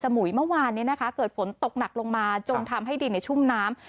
สมุยเมื่อวานเกิดผลตกหนักลงมาจงทำให้ดินในชุ่มน้ำ